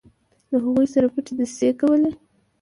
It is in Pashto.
له هغوی سره پټې دسیسې کولې.